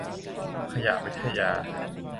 ขยะวิทยา